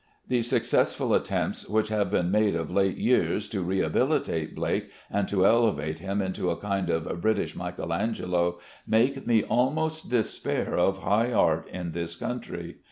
The successful attempts which have been made of late years to rehabilitate Blake, and to elevate him into a kind of British Michael Angelo, make me almost despair of high art in this country.